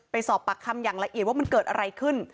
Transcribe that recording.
สอบปากคำอย่างละเอียดว่ามันเกิดอะไรขึ้น